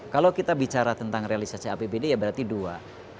kalau kita bicara tentang realisasi apbd ya berarti dua